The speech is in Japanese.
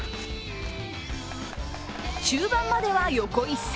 中盤までは横一線。